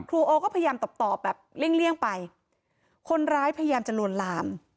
โอก็พยายามตอบตอบแบบเลี่ยงไปคนร้ายพยายามจะลวนลาม